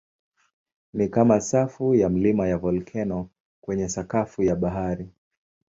Ni kama safu ya milima ya volkeno kwenye sakafu ya bahari.